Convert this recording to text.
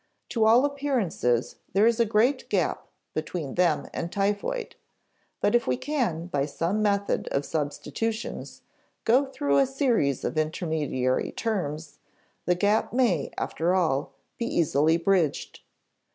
To all appearances, there is a great gap between them and typhoid. But if we can, by some method of substitutions, go through a series of intermediary terms (see p. 72), the gap may, after all, be easily bridged.